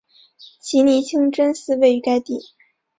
奇尼清真寺位于该地。